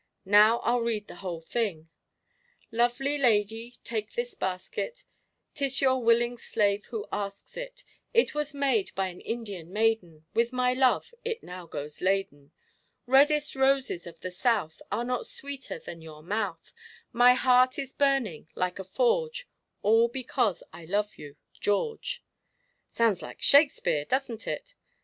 Now I'll read the whole thing: "Lovely lady, take this basket; 'T is your willing slave who asks it. It was made by an Indian maiden With my love it now goes laden. "Reddest roses of the South Are not sweeter than your mouth; My heart is burning like a forge, All because I love you George. "Sounds like Shakespeare, doesn't it?"